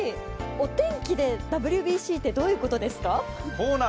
お天気でＷＢＣってどういうことですか？